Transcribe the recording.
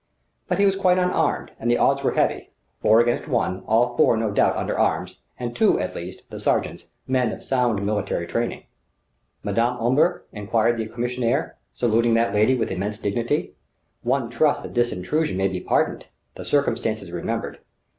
But he was quite unarmed, and the odds were heavy: four against one, all four no doubt under arms, and two at least the sergents men of sound military training. "Madame Omber?" enquired the commissaire, saluting that lady with immense dignity. "One trusts that this intrusion may be pardoned, the circumstances remembered.